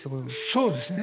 そうですね。